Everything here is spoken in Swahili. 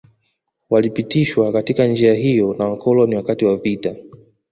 Walipitishwa katika njia hiyo na Wakoloni wakati wa vita